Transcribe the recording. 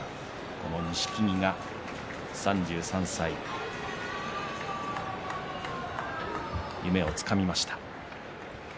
この錦木、３３歳夢をつかみました。